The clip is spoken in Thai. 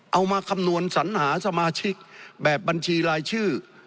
เอามาคำนวณสัญหาสมาชิกแบบบัญชีรายชื่อ